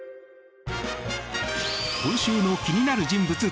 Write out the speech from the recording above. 今週の気になる人物